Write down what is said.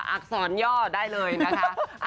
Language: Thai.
อักษรย่อได้เลยนะคะ